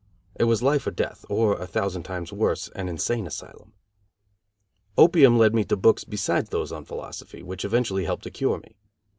It was life or death, or, a thousand times worse, an insane asylum. Opium led me to books besides those on philosophy, which eventually helped to cure me.